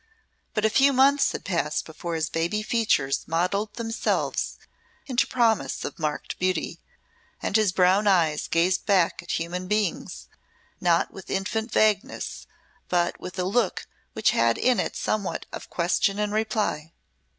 But a few months had passed before his baby features modelled themselves into promise of marked beauty, and his brown eyes gazed back at human beings, not with infant vagueness, but with a look which had in it somewhat of question and reply.